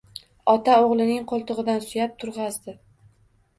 Ota o‘g‘lining qo‘ltig‘idan suyab turg‘azdi.